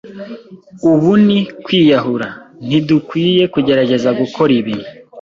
Ubu ni kwiyahura. Ntidukwiye kugerageza gukora ibi.